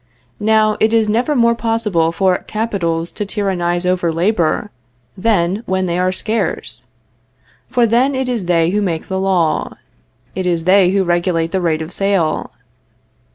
Now, it is never more possible for capitals to tyrannize over labor, than when they are scarce; for then it is they who make the law it is they who regulate the rate of sale.